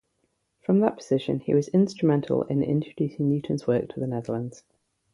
From that position, he was instrumental in introducing Newton's work to the Netherlands.